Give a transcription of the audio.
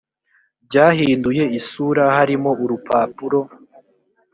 byahinduye isura harimo urupapuro